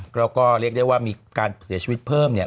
แล้วก็เรียกได้ว่ามีการเสียชีวิตเพิ่มเนี่ย